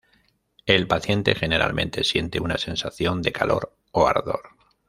El paciente generalmente siente una sensación de calor o ardor.